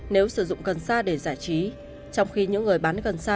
nếu sử dụng cần xa để giải trí trong khi những người bán cần xa